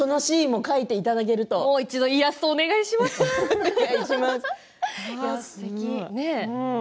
もう一度イラストお願いします。